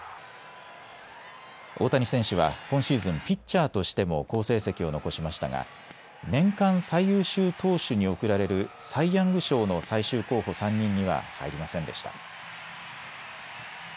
大谷選手は今シーズン、ピッチャーとしても好成績を残しましたが、年間最優秀投手に贈られるサイ・ヤング賞の最終候補３人には入りませんでした。